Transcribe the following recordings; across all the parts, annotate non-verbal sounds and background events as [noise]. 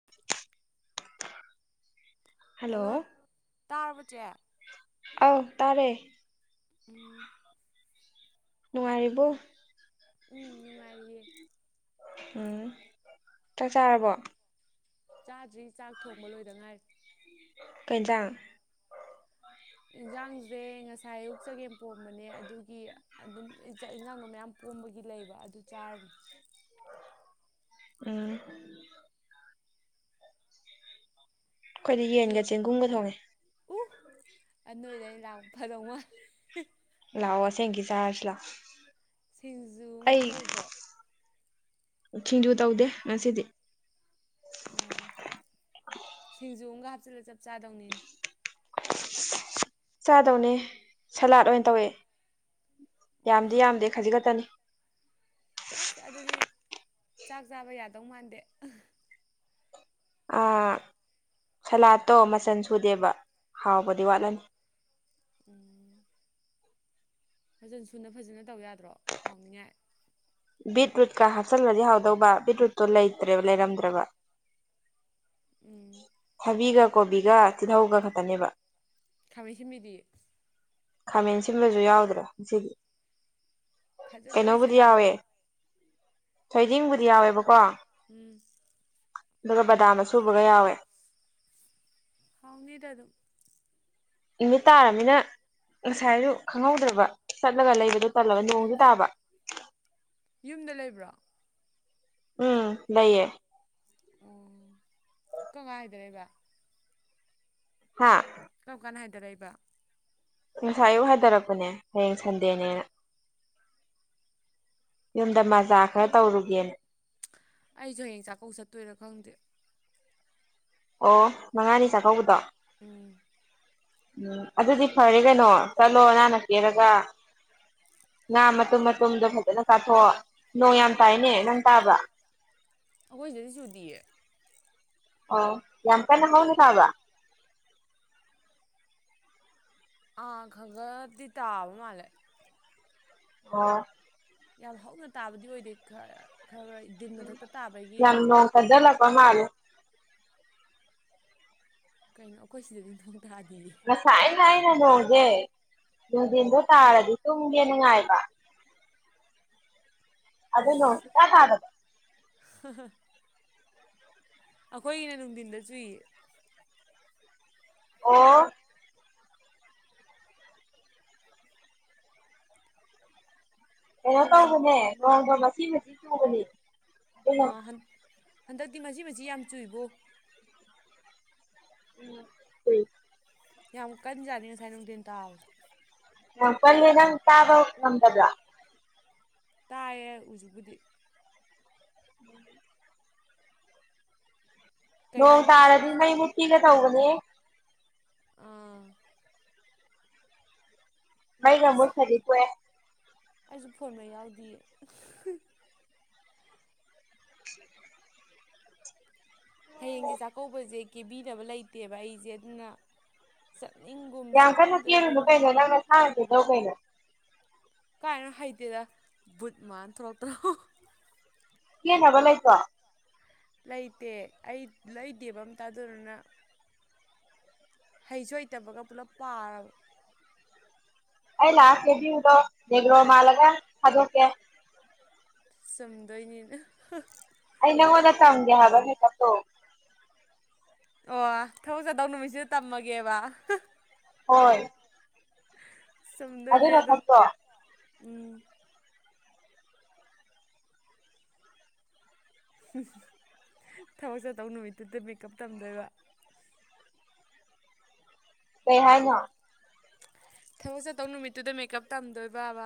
[unintelligible] hello ꯇꯥꯔꯕꯆꯦ ꯑꯥꯎ ꯇꯥꯔꯦ ꯎꯝ ꯅꯨꯡꯉꯔꯤꯕꯣ ꯎꯝ ꯅꯨꯡꯉꯥꯏꯔꯤꯌꯦ ꯎꯝ ꯆꯥꯛ ꯆꯥꯔꯕꯣ ꯆꯥꯗ꯭ꯔꯤ ꯆꯥꯛ ꯊꯣꯡꯕ ꯂꯣꯏꯗ ꯉꯥꯏꯔ ꯀꯦꯟꯁꯥꯡ ꯏꯟꯁꯥꯡꯁꯦ ꯉꯁꯥꯏ ꯑꯌꯨꯛ ꯆꯒꯦꯝ ꯄꯣꯝꯕꯅꯦ ꯑꯗꯨꯒꯤ ꯑꯗꯨꯝ ꯆꯥꯛ ꯏꯟꯖꯥꯡꯗꯣ ꯃꯌꯥꯝ ꯄꯣꯝꯕꯒꯤ ꯂꯩꯕ ꯑꯗꯨ ꯆꯥꯔꯅꯤ ꯎ ꯑꯩꯈꯣꯏꯗꯤ ꯆꯦ ꯌꯦꯟꯒ ꯆꯦꯡꯒꯨꯝꯒ ꯊꯣꯡꯉꯦ ꯎ ꯅ ꯅꯣꯏꯗꯩ ꯂꯥꯛ ꯐꯗꯧꯉ ꯂꯥꯛꯑꯣ ꯑꯁꯦꯡꯒꯤ ꯆꯥꯔꯖ ꯂꯥꯛꯑꯣ ꯁꯤꯡꯖꯨꯒ ꯑꯩ ꯇꯧꯕ꯭ꯔꯣ ꯁꯤꯡꯖꯨ ꯇꯧꯗꯦ ꯉꯁꯤꯗꯤ ꯑꯣ ꯁꯤꯡꯖꯨꯒ ꯍꯥꯞꯆꯤꯜꯂ ꯆꯞ ꯆꯥꯗꯧꯅꯤꯅꯦ ꯆꯥꯗꯧꯅꯦ ꯁꯂꯥꯗ ꯑꯣꯏꯅ ꯇꯧꯋꯦ ꯌꯥꯝꯗꯤ ꯑꯣ ꯌꯥꯝꯗꯦ ꯈꯖꯤꯛ ꯈꯛꯇꯅꯤ ꯑꯁ ꯑꯗꯨꯗꯤ ꯆꯥꯛ ꯆꯥꯕ ꯌꯥꯗꯧ ꯃꯥꯟꯗꯦ ꯁꯂꯥꯠꯇꯣ ꯃꯆꯟ ꯁꯨꯗꯦꯕ ꯍꯥꯎꯕꯗꯤ ꯋꯥꯠꯂꯅꯤ ꯎꯝ ꯐꯖꯅ ꯁꯨꯅ ꯐꯖꯅ ꯇꯧ ꯌꯥꯗ꯭ꯔꯣ ꯍꯥꯎꯅꯤꯡꯉꯥꯏ ꯕꯤꯠꯔꯨꯠꯀ ꯍꯥꯞꯆꯜꯂꯗꯤ ꯍꯥꯎꯗꯧꯕ ꯕꯤꯠꯔꯨꯠꯇꯣ ꯂꯩꯇ꯭ꯔꯦꯕ ꯂꯩꯔꯝꯗ꯭ꯔꯕ ꯎꯝ ꯊꯕꯤꯒ ꯀꯣꯕꯤꯒ ꯇꯤꯜꯍꯧꯒ ꯈꯛꯇꯅꯦꯕ ꯊꯥꯃꯩꯁꯤꯃꯤꯗꯤ ꯈꯥꯃꯦꯟ ꯁꯤꯟꯕꯁꯨ ꯌꯥꯎꯗ꯭ꯔꯦ ꯉꯁꯤꯗꯤ ꯐꯖꯗꯧꯔꯤ ꯀꯩꯅꯣꯕꯨꯗꯤ ꯌꯥꯎꯋꯦ ꯁꯂꯥꯛꯇꯣ ꯊꯣꯏꯗꯤꯡꯕꯨꯗꯤ ꯌꯥꯎꯋꯦꯕꯀꯣ ꯎꯝ ꯑꯗꯨꯒ ꯕꯗꯥꯝꯅ ꯁꯨꯕꯒ ꯌꯥꯎꯋꯦ ꯍꯥꯎꯅꯤꯗ ꯑꯗꯨꯝ ꯅꯨꯃꯤꯠ ꯇꯥꯔꯕꯅꯤꯅ ꯉꯁꯥꯏꯁꯨ ꯈꯪꯍꯧꯗ꯭ꯔꯕ ꯆꯠꯂꯒ ꯂꯩꯕꯗꯣ ꯇꯜꯂꯕ ꯅꯣꯡꯗꯤ ꯇꯥꯕ ꯌꯨꯝꯗ ꯂꯩꯕ꯭ꯔꯣ ꯎꯝ ꯂꯩꯌꯦ ꯑꯣ ꯀꯝ ꯀꯥꯟ ꯍꯥꯏꯗꯔꯛꯏꯕ ꯍꯥꯥ ꯀꯔꯝ ꯀꯥꯟ ꯍꯥꯏꯗꯔꯛꯏꯕ ꯉꯁꯥꯏ ꯑꯌꯨꯛ ꯍꯥꯏꯊꯔꯛꯄꯅꯦ ꯍꯌꯦꯡ ꯁꯟꯗꯦꯅꯦꯅ ꯌꯨꯝꯗ ꯃꯖꯥ ꯈꯔ ꯇꯧꯔꯨꯒꯦꯅ ꯑꯩꯁꯨ ꯍꯌꯦꯡ ꯆꯥꯛꯀꯧ ꯆꯠꯇꯣꯏꯔꯥ ꯈꯪꯗꯦ ꯑꯣ ꯃꯉꯥꯅꯤ ꯆꯥꯛꯀꯧꯕꯗꯣ ꯎꯝ ꯎꯝ ꯑꯗꯨꯗꯤ ꯐꯔꯦ ꯀꯩꯅꯣ ꯆꯠꯂꯣ ꯅꯥꯟꯅ ꯀꯦꯔꯒ ꯉꯥ ꯃꯇꯨꯝ ꯃꯇꯨꯝꯗꯣ ꯐꯖꯅ ꯆꯥꯊꯣꯛꯑꯣ ꯅꯣꯡ ꯌꯥꯝ ꯇꯥꯏꯅꯦ ꯅꯪ ꯇꯥꯕ꯭ꯔ ꯑꯩꯈꯣꯏ ꯁꯤꯗꯗꯤ ꯆꯨꯗꯤꯌꯦ ꯑꯣ ꯌꯥꯝ ꯀꯟꯅ ꯍꯧꯅ ꯇꯥꯕ꯭ꯔ ꯑꯥ ꯈꯒꯗꯤ ꯇꯥꯥꯕ ꯃꯥꯜꯂꯦ ꯑꯣ ꯌꯥꯝ ꯍꯧꯅ ꯇꯥꯕꯗꯤ ꯑꯣꯏꯗꯦ ꯈ ꯈꯔ ꯈꯔ ꯗꯤꯟ ꯃꯊꯛꯇ ꯇꯥꯕꯒꯤ ꯌꯥꯝ ꯅꯣꯡ ꯀꯟꯖꯜꯂꯛꯄ ꯃꯥꯜꯂꯤ ꯀꯩꯅꯣ ꯑꯩꯈꯣꯏ ꯁꯤꯗꯗꯤ ꯅꯣꯡ ꯇꯥꯗꯤꯌꯦ ꯉꯁꯥꯏ ꯑꯩꯅ ꯅꯣꯡꯁꯦ ꯅꯨꯡꯗꯤꯟꯗꯣ ꯇꯥꯔꯗꯤ ꯇꯨꯝꯒꯦꯅ ꯉꯥꯏꯕ ꯑꯗꯨ ꯅꯣꯡ ꯁꯨꯡꯇꯥ ꯇꯥꯗꯕ ꯍ ꯍ ꯑꯩꯈꯣꯏꯒꯤꯅ ꯅꯨꯡꯊꯤꯟꯗ ꯆꯨꯏꯌꯦ ꯑꯣ ꯀꯩꯅꯣ ꯇꯧꯕꯅꯦ ꯅꯣꯡꯗꯣ ꯃꯆꯤ ꯃꯆꯤ ꯆꯨꯕꯅꯤ ꯍꯟꯗꯛꯇꯤ ꯃꯆꯤ ꯃꯆꯤ ꯌꯥꯝ ꯆꯨꯏꯕꯣ ꯎꯝ ꯌꯥꯝ ꯀꯟꯖꯥꯅꯤ ꯉꯁꯥꯏ ꯅꯨꯡꯊꯤꯟ ꯇꯥꯕꯗꯣ ꯌꯥꯝ ꯀꯜꯂꯤ ꯅꯪ ꯇꯥꯕ ꯉꯝꯗꯕ꯭ꯔ ꯇꯥꯏꯌꯦ ꯍꯧꯖꯤꯛꯄꯨꯗꯤ ꯅꯣꯡ ꯀꯩꯅꯣꯝꯃ ꯇꯥꯔꯗꯤ ꯃꯩ ꯃꯨꯠꯄꯤꯒ ꯇꯧꯕꯅꯦ ꯑꯥ ꯃꯩꯒ ꯃꯨꯠꯈ꯭ꯔꯗꯤ ꯇꯣꯛꯑꯦ ꯑꯩꯁꯨ ꯐꯣꯟ ꯃꯩ ꯌꯥꯎꯗꯤꯌꯦ ꯍꯌꯦꯡꯁꯦ ꯆꯥꯛꯀꯧꯕꯁꯦ ꯀꯦꯕꯤꯅꯕ ꯂꯩꯇꯦꯕ ꯑꯩꯁꯦ ꯑꯗꯨꯅ ꯆꯠꯅꯤꯡꯒꯨꯝ ꯌꯥꯝ ꯀꯟꯅ ꯀꯦꯔꯨꯅꯨ ꯆꯠꯅꯤꯡꯗꯒꯨꯝ ꯀꯩꯅꯣ ꯅꯪ ꯅꯁꯥꯅ ꯀꯦꯖꯧ ꯀꯩꯅꯣ ꯀꯥꯏꯅꯣ ꯍꯩꯇꯦꯗ ꯕꯨꯠ ꯃꯥꯜꯂ ꯊꯣꯂꯛꯇꯅ ꯀꯦꯅꯕ ꯂꯩꯇ꯭ꯔꯣ ꯂꯩꯇꯦ ꯑꯩ ꯂꯩꯗꯦꯕ ꯑꯝꯇ ꯑꯗꯨꯗꯨꯅ ꯍꯩꯁꯨ ꯍꯩꯇꯕꯒ ꯄꯨꯂꯞ ꯄꯥꯔꯕ ꯑꯩ ꯂꯥꯛꯑ ꯀꯦꯕꯤꯌꯨꯔꯣ ꯅꯦꯒ꯭ꯔꯣ ꯃꯥꯜꯂꯒ ꯊꯗꯣꯛ ꯀꯦ ꯆꯨꯝꯗꯣꯏꯅꯤꯅ ꯑꯩ ꯅꯪꯉꯣꯟꯗ ꯇꯝꯒꯦ ꯍꯥꯢꯕ ꯃꯦꯀꯞꯇꯣ ꯑꯣ ꯊꯕꯛ ꯆꯥꯗꯧ ꯅꯨꯃꯤꯠꯁꯤꯗ ꯇꯝꯃꯒꯦꯕ ꯍꯣꯏ ꯑꯗꯨꯅ ꯁꯗꯣꯏꯅꯤꯗꯣ ꯐꯠꯇ꯭ꯔꯣ ꯎꯝ ꯊꯕꯛ ꯆꯠꯇꯧ ꯅꯨꯃꯤꯠꯇꯨꯗ ꯃꯦꯀꯀꯞ ꯇꯝꯗꯣꯏꯕ ꯀ ꯍꯥꯏꯅ ꯊꯕꯛ ꯆꯠꯇꯧ ꯅꯨꯃꯤꯠꯇꯨꯗ ꯃꯦꯀꯞ ꯇꯝꯗꯣꯏꯕꯕ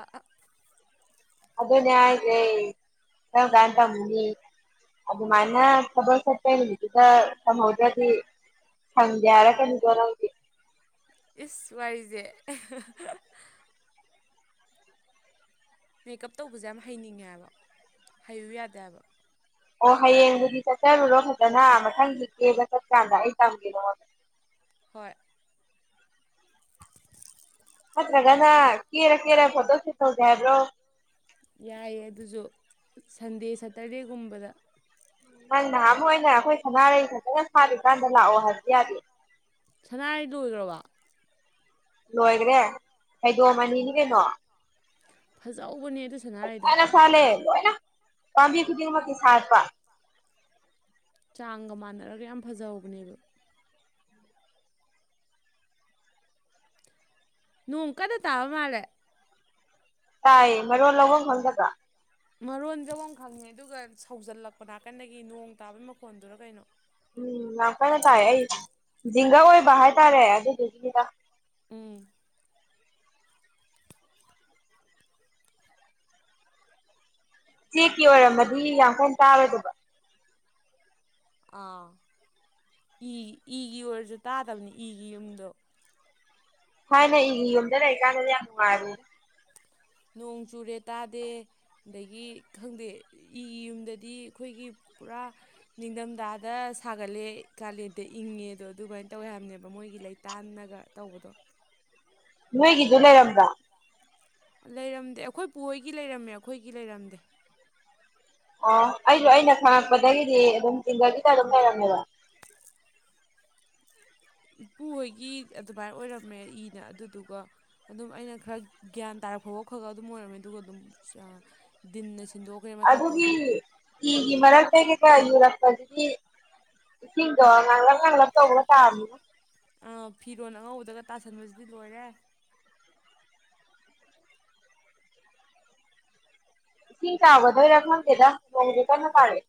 ꯑꯗꯨꯗ ꯅꯦ ꯍꯥꯏꯦ ꯅ ꯀꯥꯟꯇ ꯃꯅꯤ ꯑꯗ ꯃꯥꯥꯏꯅꯁ ꯄ ꯊꯗ ꯁꯪꯗꯦ ꯑꯔ ꯀꯟ ꯕꯔꯥꯎꯦ ꯏꯁ ꯋꯥꯏꯁꯦ ꯃꯦꯀꯞ ꯇꯧꯕꯁꯦ ꯌꯥꯝ ꯍꯩꯅꯤꯡꯉꯦꯕ ꯍꯩꯌꯨ ꯌꯥꯗꯦꯕ ꯑꯣ ꯍꯌꯦꯡꯗꯨꯗꯤ ꯆꯠꯆꯔꯨꯔꯣ ꯐꯖꯅ ꯃꯊꯪ ꯍꯤꯛꯀꯦꯕ ꯆꯠꯀꯥꯟꯗ ꯑꯩ ꯇꯝꯒꯦꯅꯣ ꯍꯣꯏ ꯍꯠꯇ꯭ꯔꯒꯅꯥ ꯀꯦꯔ ꯀꯦꯔ ꯐꯣꯇꯣ ꯁꯠꯒꯦ ꯍꯥꯏꯕ꯭ꯔꯣ ꯌꯥꯏꯌꯦ ꯑꯗꯨꯁꯨ ꯁꯟꯗꯦ ꯁꯇꯔꯗꯦꯒꯨꯝꯕꯗ ꯅꯪ ꯅꯍꯥ ꯑꯃ ꯑꯣꯏꯅ ꯑꯩꯈꯣꯏ ꯁꯅꯥꯔꯩ ꯐꯖꯅ ꯁꯥꯔꯤꯀꯥꯟꯗ ꯂꯥꯛꯑꯣ ꯍꯥꯏꯕꯗꯤ ꯌꯥꯗꯦ ꯁꯅꯥ ꯂꯣꯏꯈ꯭ꯔꯕ ꯂꯣꯏꯈ꯭ꯔꯦ ꯈꯩꯗꯣꯛꯑꯝ ꯑꯅꯤꯅꯤ ꯀꯩꯅꯣ ꯐꯖꯍꯧꯕꯅꯦ ꯑꯗꯨ ꯁꯅꯥꯔꯩꯗꯣ ꯐꯖꯅ ꯁꯥꯠꯂꯦ ꯂꯣꯏꯅ ꯄꯥꯝꯕꯤ ꯈꯨꯗꯤꯡꯃꯛꯀꯤ ꯁꯥꯠꯄ ꯆꯥꯡꯒ ꯃꯥꯟꯅꯔꯒ ꯌꯥꯝ ꯐꯖꯍꯧꯕꯅꯦꯕ ꯅꯣꯡ ꯀꯟꯅ ꯇꯥꯕ ꯃꯥꯜꯂꯦ ꯇꯥꯏꯌꯦ ꯃꯔꯣꯟ ꯂꯧꯕ ꯈꯪꯗꯕ ꯃꯔꯣꯟꯁꯦ ꯑꯃꯨ ꯈꯪꯉꯦ ꯑꯗꯨꯒ ꯁꯧꯖꯜꯂꯛꯄ ꯅꯥꯀꯟꯗꯒꯤ ꯅꯣꯡ ꯇꯥꯕꯩ ꯃꯈꯣꯟꯗꯨꯔ ꯀꯩꯅꯣ ꯎꯝ ꯌꯥꯝ ꯀꯟꯅ ꯇꯥꯏ ꯑꯩ ꯖꯤꯡꯒꯥ ꯑꯣꯏꯕ ꯍꯥꯏꯇꯥꯔꯦ ꯑꯗꯨꯗꯨꯒꯤꯅꯤꯗ ꯎꯝ ꯆꯦꯛꯀꯤ ꯑꯣꯏꯔꯝꯃꯗꯤ ꯌꯥꯡꯈꯩ ꯇꯥꯔꯣꯏꯗꯕ ꯑꯥ ꯏꯒꯤ ꯏꯒꯤ ꯑꯣꯏꯔꯁꯨ ꯇꯥꯗꯕꯅꯤ ꯏꯒꯤ ꯌꯨꯝꯗꯣ ꯍꯥꯏꯅꯦ ꯏꯒꯤ ꯌꯨꯝꯗ ꯂꯩꯔꯤ ꯀꯥꯟꯗꯗꯤ ꯌꯥꯝ ꯅꯨꯡꯉꯥꯏꯔꯦ ꯅꯣꯡ ꯆꯨꯔꯦ ꯇꯥꯗꯦ ꯑꯗꯒꯤ ꯈꯪꯗꯦ ꯏꯒꯤ ꯌꯨꯝꯗꯗꯤ ꯑꯩꯈꯣꯏꯒꯤ ꯄꯨꯔꯥ ꯅꯤꯡꯊꯝꯊꯥꯗ ꯁꯥꯒꯠꯂꯦ ꯀꯥꯂꯦꯟꯗ ꯏꯪꯉꯦꯗꯣ ꯑꯗꯨꯃꯥꯏꯅ ꯇꯧꯋꯦ ꯍꯥꯏꯕꯅꯦꯕ ꯃꯣꯏꯒꯤ ꯂꯩ ꯇꯥꯟꯅꯒ ꯇꯧꯕꯗꯣ ꯅꯣꯏꯒꯤꯗꯨ ꯂꯩꯔꯝꯕ꯭ꯔꯥ ꯂꯩꯔꯝꯗꯦ ꯑꯩꯈꯣꯏꯄꯨ ꯍꯣꯏꯒꯤ ꯂꯩꯔꯝꯃꯦ ꯑꯩꯈꯣꯏꯒꯤ ꯂꯩꯔꯝꯗꯦ ꯑꯣ ꯑꯩꯁꯨ ꯑꯩꯅ ꯈꯪꯉꯛꯄꯗꯒꯤꯗꯤ ꯑꯗꯨꯝ ꯇꯤꯟꯗꯒꯤꯇ ꯑꯗꯨꯝ ꯂꯩꯔꯝꯃꯦꯕ ꯏꯄꯨ ꯍꯣꯏꯒꯤ ꯑꯗꯨꯃꯥꯏꯅ ꯑꯣꯏꯔꯝꯃꯦ ꯏꯅ ꯑꯗꯨꯗꯨꯒ ꯑꯗꯨꯝ ꯑꯩꯅ ꯈꯔ ꯒ꯭ꯌꯥꯟ ꯇꯥꯔꯛꯐꯥꯎꯕ ꯈꯔꯒ ꯑꯗꯨꯝ ꯑꯣꯏꯔꯝꯃꯦ ꯑꯗꯨꯒ ꯑꯗꯨꯝ ꯗꯤꯟꯅ ꯁꯤꯟꯗꯣꯛꯈ꯭ꯔꯦ ꯃꯊꯛꯇꯣ ꯑꯗꯨꯒꯤ ꯑꯗꯣ ꯏ-ꯒꯤ ꯃꯔꯛꯇ ꯀꯩꯀꯥ ꯌꯨꯔꯛꯄꯁꯤꯗꯤ ꯏꯁꯤꯡꯗꯣ ꯉꯥꯡꯂꯞ ꯉꯥꯡꯂꯞ ꯇꯧꯕꯒ ꯇꯥꯕꯅꯤ ꯑꯥ ꯐꯤꯔꯣꯜ ꯑꯉꯧꯕꯗꯒ ꯇꯥꯁꯟꯕꯁꯤꯗꯤ ꯂꯣꯏꯔꯦ ꯏꯁꯤꯡ ꯆꯥꯎꯒꯗꯣꯏꯔꯥ ꯈꯈꯪꯗꯦꯗ ꯅꯣꯡꯁꯦ ꯀꯟꯅ ꯇꯥꯔꯛꯑꯦ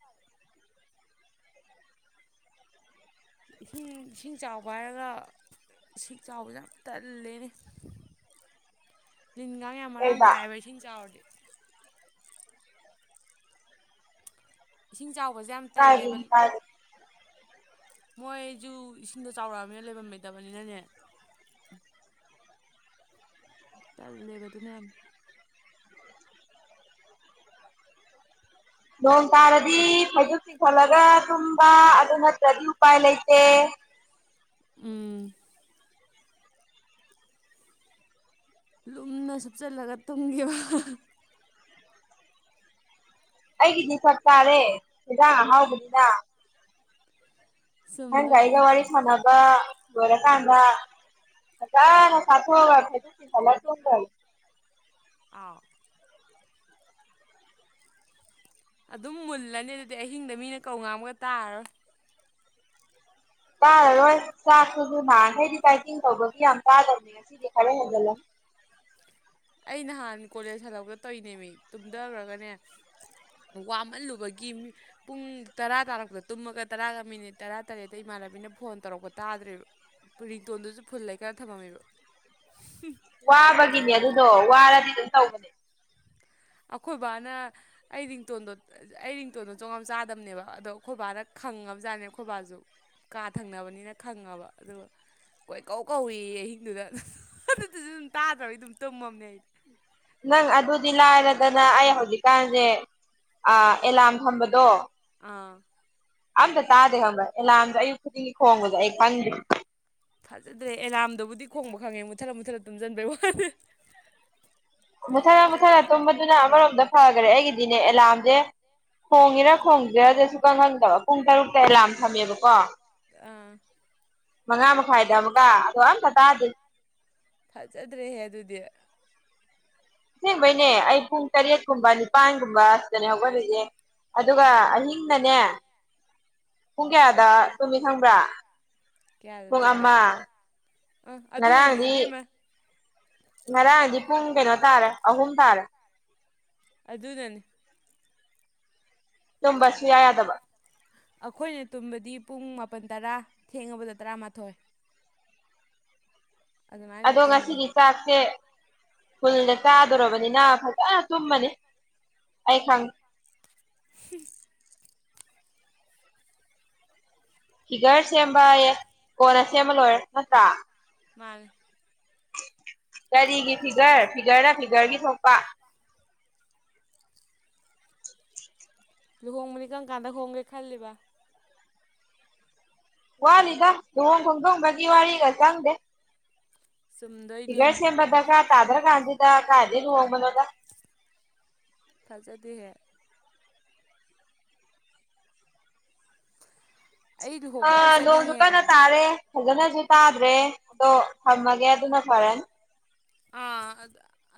ꯏꯁꯤꯡ ꯏꯁꯤꯡ ꯆꯥꯎꯕ ꯍꯥꯏꯔꯒ ꯏꯁꯤꯡ ꯆꯥꯎꯕꯁꯦ ꯌꯥꯝ ꯇꯜꯂꯦꯅꯦ ꯂꯤꯟꯀꯥꯡ ꯌꯥꯝ ꯃꯔꯥꯡ ꯀꯩꯕ ꯀꯥꯏꯕ ꯏꯁꯤꯡ ꯆꯥꯎꯔꯗꯤ ꯏꯁꯤꯡ ꯆꯥꯎꯕꯁꯦ ꯌꯥꯝ ꯇꯜꯂꯦꯕ ꯀꯥꯏꯗꯩꯅꯣ ꯀꯥꯏꯗꯩ ꯃꯣꯏꯁꯨ ꯏꯁꯤꯡꯗꯣ ꯆꯥꯎꯔꯛꯑꯕꯅꯤꯅ ꯂꯩꯐꯝꯝ ꯂꯩꯇꯕꯅꯤꯅꯅꯦ ꯇꯜꯜꯂꯦꯕ ꯑꯗꯨꯅ ꯌꯥꯝ ꯅꯣꯡ ꯇꯥꯔꯗꯤ ꯐꯩꯖꯨꯞ ꯆꯤꯡꯈꯠꯂꯒ ꯇꯨꯝꯕ ꯑꯗꯨ ꯅꯠꯇ꯭ꯔꯗꯤ ꯎꯄꯥꯏ ꯂꯩꯇꯦ ꯎꯝ ꯂꯨꯝꯅ ꯁꯨꯞꯆꯜꯂꯒ ꯇꯨꯝꯈꯤꯕ ꯑꯩꯒꯤꯗꯤ ꯆꯞꯆꯥꯔꯦ ꯍꯤꯟꯖꯥꯡ ꯑꯍꯥꯎꯕꯅꯤꯅ ꯅꯪꯒꯟ ꯑꯩꯒ ꯆꯨꯝꯗꯣꯏꯅꯤꯅꯦ ꯋꯥꯔꯤ ꯁꯅꯕ ꯂꯣꯏꯔꯀꯥꯟꯗ ꯐꯖꯅ ꯆꯥꯊꯣꯛꯑꯒ ꯐꯩꯖꯨꯞ ꯆꯤꯡꯈꯠꯂꯥ ꯇꯨꯝꯒꯔꯒꯦ ꯑꯥꯎ ꯑꯗꯨꯝ ꯃꯨꯜꯂꯅꯤ ꯑꯗꯨꯗꯤ ꯑꯍꯤꯡꯗ ꯃꯤꯅ ꯀꯧ ꯉꯥꯡꯕꯒ ꯇꯥꯔꯣꯏ ꯇꯥꯔꯔꯣꯏ ꯆꯥꯛꯇꯨꯁꯨ ꯅꯍꯥꯟꯈꯩꯗꯤ ꯗꯥꯏꯇꯤꯡ ꯇꯧꯕꯒꯤ ꯌꯥꯝ ꯆꯥꯗꯕꯅꯦ ꯉꯁꯤꯗꯤ ꯈꯔ ꯍꯦꯟꯖꯜꯂꯅꯤ ꯑꯩ ꯅꯍꯥꯟ ꯀꯣꯂꯦꯖ ꯍꯜꯂꯛꯄꯗ ꯇꯧꯔꯤꯅꯦꯃꯤ ꯇꯨꯝꯊꯈꯔꯒꯅꯦ ꯋꯥꯃꯜꯂꯨꯕꯒꯤ ꯃꯤ ꯄꯨꯡ ꯇꯔꯥ ꯇꯥꯔꯛꯄꯇ ꯇꯨꯝꯃꯒ ꯇꯔꯥꯒ ꯃꯤꯅꯤꯠ ꯇꯔꯥ ꯇꯔꯦꯠꯇ ꯏꯃꯥꯟꯅꯕꯤꯅ ꯐꯣꯟ ꯇꯧꯔꯛꯄ ꯇꯥꯗ꯭ꯔꯤꯕ ꯔꯤꯡꯇꯣꯟꯗꯨꯁꯨ ꯐꯨꯜ ꯂꯩꯈꯥꯠ ꯊꯝꯃꯝꯃꯤꯕ ꯋꯥꯕꯒꯤꯅꯦ ꯑꯗꯨꯗꯣ ꯋꯥꯔꯗꯤ ꯑꯗꯨꯝ ꯇꯧꯕꯅꯦ ꯑꯩꯈꯣꯏ ꯕꯥꯅ ꯑꯩ ꯔꯤꯡꯇꯣꯟꯗꯣ ꯑꯩ ꯔꯤꯡꯇꯣꯟꯗꯣ ꯆꯣꯡꯂꯝ ꯆꯥꯗꯕꯅꯦꯕ ꯑꯗꯣ ꯈꯣꯏꯕꯥꯅ ꯈꯪꯉꯕꯖꯥꯠꯅꯦ ꯈꯣꯏꯕꯥꯁꯨ ꯀꯥ ꯊꯪꯅꯕꯅꯤꯅ ꯈꯪꯉꯕ ꯑꯗꯨꯒ ꯀꯣꯏ ꯀꯧ ꯀꯧꯏ ꯑꯍꯤꯡꯗꯨꯗ ꯑꯗꯨꯗꯨꯁꯨ ꯑꯗꯨꯝ ꯇꯥꯗ꯭ꯔꯕꯤ ꯑꯗꯨꯝ ꯇꯨꯝꯃꯕꯅꯤ ꯑꯩ ꯅꯪ ꯑꯗꯨꯗꯤ ꯂꯥꯏꯔꯗꯅ ꯑꯩ ꯍꯧꯖꯤꯛꯀꯥꯟꯁꯦ ꯑꯦꯂꯥꯔꯝ ꯊꯝꯕꯗꯣ ꯑꯥ ꯑꯝꯇ ꯇꯥꯗꯦ ꯈꯪꯕ ꯑꯦꯂꯥꯔꯝꯁꯨ ꯑꯌꯨꯛ ꯈꯨꯗꯤꯡꯒꯤ ꯈꯣꯡꯕꯁꯦ ꯑꯩ ꯈꯪꯗꯦꯕ ꯊꯥꯖꯗ꯭ꯔꯦ ꯑꯦꯂꯥꯔꯝꯗꯨꯕꯨꯗꯤ ꯈꯣꯡꯕ ꯈꯪꯉꯦ ꯃꯨꯊꯠꯂ ꯃꯨꯊꯠꯂ ꯇꯨꯝꯁꯤꯟꯕꯩ ꯋꯥꯅꯤ ꯃꯨꯊꯠꯂ ꯃꯨꯊꯠꯂ ꯇꯨꯝꯕꯗꯨꯅ ꯑꯃꯔꯣꯝꯗ ꯐꯈꯔꯦ ꯑꯩꯒꯤꯗꯤꯅꯦ ꯑꯦꯂꯥꯔꯝꯁꯦ ꯈꯣꯡꯉꯤꯔꯥ ꯈꯣꯡꯗꯔꯤꯔꯥ ꯑꯗꯨꯁꯨ ꯁꯨꯈꯪ ꯈꯪꯗꯕ ꯄꯨꯡ ꯇꯔꯨꯛꯇ ꯑꯦꯂꯥꯔꯝ ꯊꯝꯃꯦꯕꯀꯣ ꯑꯥ ꯃꯉꯥ ꯃꯈꯥꯏꯗ ꯑꯃꯨꯒ ꯑꯗꯣ ꯑꯝꯇ ꯇꯥꯗꯦ ꯐꯖꯗ꯭ꯔꯦꯍꯦ ꯑꯗꯨꯗꯤ ꯑꯁꯦꯡꯕꯩꯅꯦ ꯑꯩ ꯄꯨꯡ ꯇꯔꯦꯠꯀꯨꯝꯕ ꯅꯤꯄꯥꯟꯒꯨꯝꯕ ꯑꯁꯤꯗꯅꯦ ꯍꯧꯒꯠꯂꯤꯁꯦ ꯑꯗꯨꯒ ꯑꯍꯤꯡꯅꯅꯦ ꯄꯨꯡ ꯀꯌꯥꯗ ꯇꯨꯝꯃꯤ ꯈꯪꯕ꯭ꯔꯥ ꯀꯌꯥꯗ ꯄꯨꯡ ꯇꯨꯝꯒꯦ ꯑꯃ ꯑꯥ ꯑꯗꯨꯅꯅꯤ ꯉꯔꯥꯡꯗꯤ ꯏꯕꯦꯝꯃ ꯉꯔꯥꯡꯗꯤ ꯄꯨꯡ ꯀꯩꯅꯣ ꯇꯥꯔꯦ ꯑꯍꯨꯝ ꯇꯥꯔꯦ ꯑꯗꯨꯅꯅꯤ ꯇꯨꯝꯕ ꯁꯨꯡꯌꯥ ꯌꯥꯗꯕ ꯑꯩꯈꯣꯏꯅ ꯇꯨꯝꯕꯗꯤ ꯄꯨꯡ ꯃꯥꯄꯜ ꯇꯔꯥ ꯊꯦꯡꯉꯕꯗ ꯇꯔꯥꯃꯥꯊꯣꯏ ꯑꯗꯨꯃꯥꯏꯅ ꯑꯗꯨꯝ ꯑꯗꯣ ꯇꯨꯝꯃꯦ ꯉꯁꯤꯒꯤ ꯆꯥꯛꯁꯦ ꯐꯨꯜꯗ ꯆꯥꯗꯣꯔꯕꯅꯤꯅ ꯐꯖꯅ ꯇꯨꯝꯃꯅꯤ ꯑꯩ ꯈꯪ ꯍꯨꯝ ꯐꯤꯒꯔ ꯁꯦꯝꯕ ꯌꯦ ꯀꯣꯟꯅ ꯁꯦꯝꯃ ꯂꯣꯏꯔꯦ ꯅꯠꯇ꯭ꯔꯥ ꯃꯥꯟꯅꯤ ꯀꯔꯤꯒꯤ ꯐꯤꯒꯔ ꯐꯤꯒꯔꯅ ꯐꯤꯒꯔꯒꯤ ꯊꯣꯛꯄ ꯂꯨꯍꯣꯡꯕꯗꯤ ꯀꯔꯝ ꯀꯥꯟꯗ ꯍꯣꯡꯒꯦ ꯈꯜꯂꯤꯕ ꯋꯥꯠꯂꯤꯗ ꯂꯨꯍꯣꯡ ꯈꯣꯡꯗꯣꯡꯕꯒꯤ ꯋꯥꯔꯤꯒ ꯆꯪꯗꯦ ꯆꯨꯝꯗꯣꯏꯅꯤ ꯐꯤꯒꯔ ꯁꯦꯝꯕ ꯗꯔꯀꯥꯔ ꯇꯥꯗ꯭ꯔ ꯀꯥꯟꯖꯤꯗ ꯀꯥꯏꯗꯩ ꯂꯨꯍꯣꯡꯕꯅꯣꯗ ꯐꯖꯗꯦꯍꯦ ꯑꯩ ꯂꯨꯍꯣꯡꯕ ꯌꯥꯝ ꯑꯥ ꯅꯣꯡꯖꯨ ꯆꯠꯅꯤꯡꯉꯦ ꯀꯟꯅ ꯇꯥꯔꯦ ꯐꯖꯅꯖꯨ ꯇꯥꯗ꯭ꯔꯦ ꯑꯗꯣ ꯊꯝꯃꯒꯦ ꯑꯗꯨꯅ ꯐꯔꯅꯤ ꯑꯥ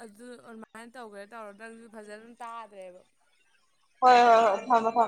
ꯑꯗꯨ ꯑꯗꯨꯃꯥꯏꯅ ꯇꯧꯒꯦ ꯇꯧꯔꯣ ꯅꯪꯁꯨ ꯐꯖꯅ ꯇꯥꯗ꯭ꯔꯦꯕ ꯍꯣꯏ ꯍꯣꯏ ꯍꯣꯏ ꯊꯝꯃꯣ ꯊꯝꯃꯣ